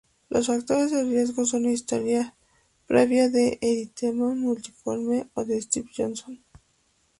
Los factores de riesgo son historia previa de eritema multiforme o de Stevens-Johson.